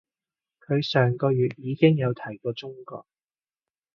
佢上個月已經有提過中國